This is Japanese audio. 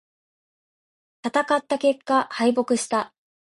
戦った結果、敗北した。